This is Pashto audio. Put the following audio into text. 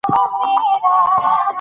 که کور ړنګ شي ټول بې کوره کيږو.